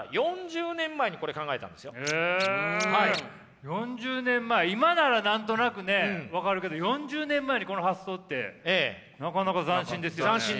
なんと４０年前今なら何となくね分かるけど４０年前にこの発想ってなかなか斬新ですよね。